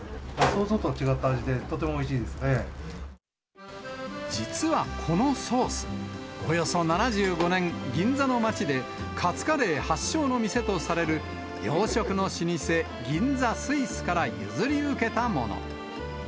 想像とは違った味で、とてもおい実はこのソース、およそ７５年、銀座の街でカツカレー発祥の店とされる洋食の老舗、銀座スイスから譲り受けたもの。